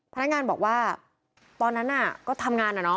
พนักงานบอกว่าตอนนั้นน่ะก็ทำงานอะเนาะ